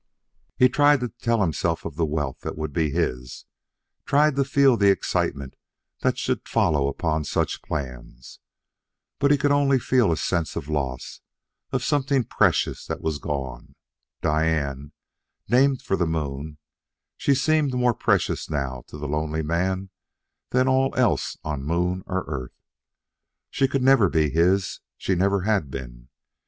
He tried to tell himself of the wealth that would be his; tried to feel the excitement that should follow upon such plans. But he could only feel a sense of loss, of something precious that was gone. Diane named for the moon: she seemed more precious now to the lonely man than all else on moon or Earth. She could never be his; she never had been.